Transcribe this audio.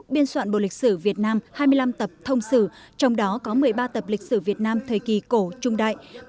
biên soạn bộ lịch sử việt nam hai mươi năm tập thông sử trong đó có một mươi ba tập lịch sử việt nam thời kỳ cổ trung đại